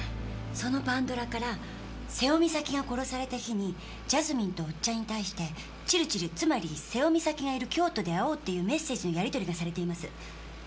そのパンドラから瀬尾美咲が殺された日にジャスミンとオッチャンに対してチルチルつまり瀬尾美咲がいる京都で会おうっていうメッセージのやり取りがされています。